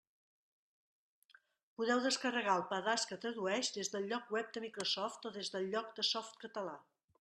Podeu descarregar el pedaç que tradueix des del lloc web de Microsoft o des del lloc de Softcatalà.